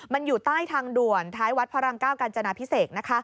มันอยู่ใต้ทางด่วนท้ายวัดพระราม๙กาญจนาพิเศษ